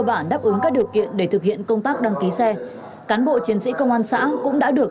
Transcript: cơ bản đáp ứng các điều kiện để thực hiện công tác đăng ký xe cán bộ chiến sĩ công an xã cũng đã được